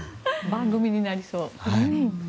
番組になりそう。